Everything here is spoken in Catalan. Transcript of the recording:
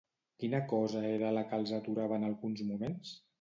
Quina cosa era la que els aturava en alguns moments?